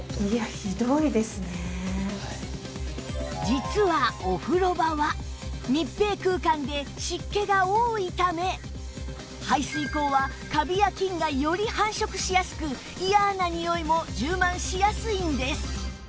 実はお風呂場は密閉空間で湿気が多いため排水口はカビや菌がより繁殖しやすくイヤなにおいも充満しやすいんです